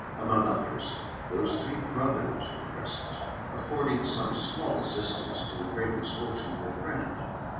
' Among others, those three brothers were present, affording some small assist ance to the great misfortune of their friend.